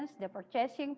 slide sudah di on